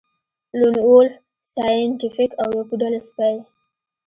لون وولف سایینټیفیک او یو پوډل سپی